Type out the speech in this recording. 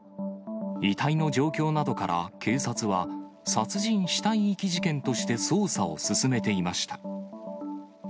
遺体の状況などから、警察は、殺人・死体遺棄事件として捜査を進めていました。